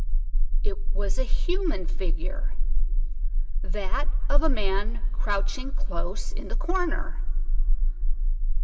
It was a human figure—that of a man crouching close in the corner.